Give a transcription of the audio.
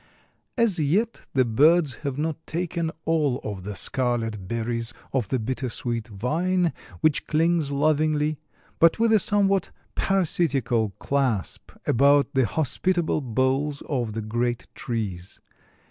As yet the birds have not taken all of the scarlet berries of the bitter sweet vine, which clings lovingly, but with a somewhat parasitical clasp about the hospitable boles of the great trees.